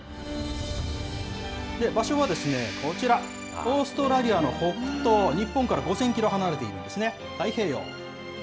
場所はこちら、オーストラリアの北東、日本から５０００キロ離れているんですね、太平洋。